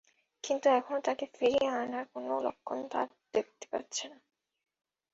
কিন্তু এখনো তাঁকে ফিরিয়ে আনার কোনো লক্ষণ তাঁরা দেখতে পাচ্ছেন না।